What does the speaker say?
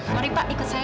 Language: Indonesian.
mari pak ikut saya